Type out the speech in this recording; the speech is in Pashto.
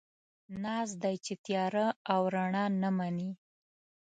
ناز دی، چې تياره او رڼا نه مني